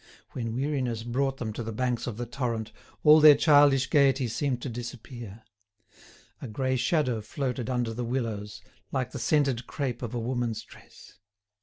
When weariness brought them to the banks of the torrent, all their childish gaiety seemed to disappear. A grey shadow floated under the willows, like the scented crape of a woman's dress.